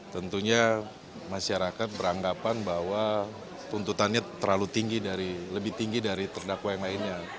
tentunya masyarakat beranggapan bahwa tuntutannya terlalu tinggi lebih tinggi dari terdakwa yang lainnya